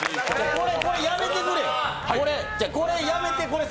これ、やめて、これ。